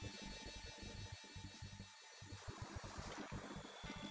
tapi aku inilah yang coba